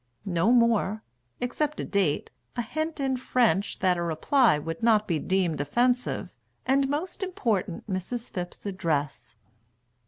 No more except a date, a hint in French That a reply would not be deemed offensive, And, most important, Mrs. Phipp's address.